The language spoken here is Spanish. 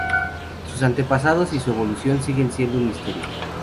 Sus antepasados y su evolución siguen siendo un misterio.